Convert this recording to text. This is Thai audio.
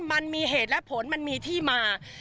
มันมีเหตุและผลมันมีที่มา